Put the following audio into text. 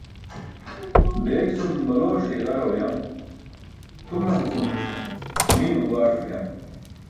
Deek cum baloṣe iġara uyam, tʰuman cum miymo baaṣ uyam.